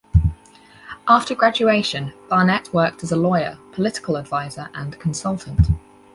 After graduation, Barnett worked as a lawyer, political advisor and consultant.